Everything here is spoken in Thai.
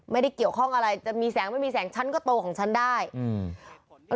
ไม่ได้เกี่ยวข้องอะไรจะมีแสงไม่มีแสงฉันก็โตของฉันได้อืม